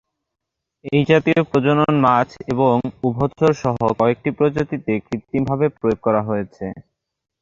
এই জাতীয় প্রজনন মাছ এবং উভচর সহ কয়েকটি প্রজাতিতে কৃত্রিমভাবে প্রয়োগ করা হয়েছে।